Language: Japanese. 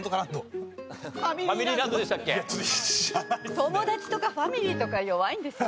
トモダチとかファミリーとか弱いんですよ。